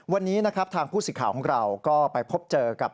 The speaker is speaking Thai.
วันนี้ทางผู้สิทธิ์ข่าวของเราก็ไปพบเจอกับ